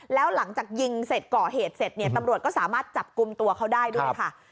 แล้วหลังจากยิงเสร็จก่อเหตุเสร็จเนี่ยตำรวจก็สามารถจับกลุ่มตัวเขาได้ด้วยค่ะ